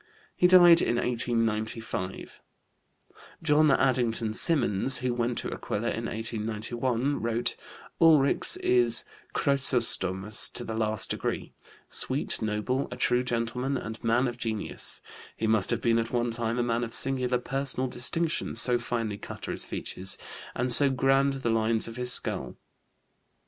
He died in 1895. John Addington Symonds, who went to Aquila in 1891, wrote: "Ulrichs is chrysostomos to the last degree, sweet, noble, a true gentleman and man of genius. He must have been at one time a man of singular personal distinction, so finely cut are his features, and so grand the lines of his skull."